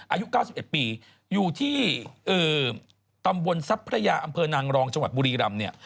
อายุ๙๑ปีอยู่ที่ตำบลทรัพพระยาอำเภอนางรองจังหวัดบุรีรำเนี่ย